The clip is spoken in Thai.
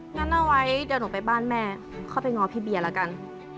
งั้นเอาไว้เดี๋ยวหนูไปบ้านแม่เข้าไปง้อพี่เบียร์แล้วกัน